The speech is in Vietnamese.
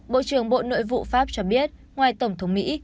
bộ trưởng bộ nội vụ pháp cho biết ngoài tổng thống mỹ